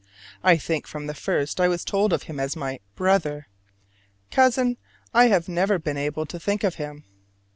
I think from the first I was told of him as my "brother": cousin I have never been able to think him.